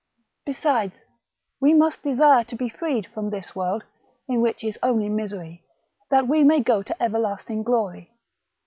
Besides we must desire to be freed from this world, in which is only misery, that we may go to everlasting glory.